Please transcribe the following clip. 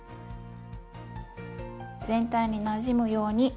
全体になじむように混ぜます。